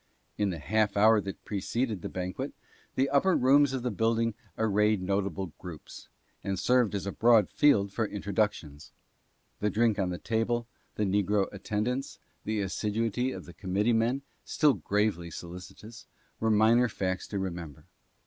In the half hour that preceded the banquet, the upper rooms of the building arrayed notable groups, and served as a broad field for introductions. The drink on the table, the negro attendants, the assiduity of the committeemen (still gravely so licitous), were minor facts to remember.